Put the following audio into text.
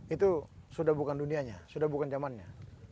itu sudah bukan dunianya sudah bukan zamannya